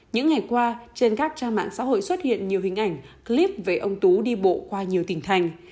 những ngày qua trên các trang mạng xã hội xuất hiện nhiều hình ảnh clip về ông tú đi bộ qua nhiều tỉnh thành